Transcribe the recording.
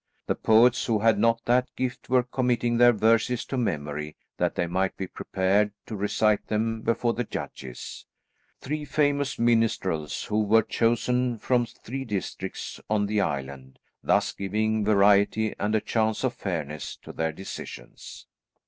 The poets who had not that gift were committing their verses to memory that they might be prepared to recite them before the judges, three famous minstrels, who were chosen from three districts on the island, thus giving variety and a chance of fairness to their decisions.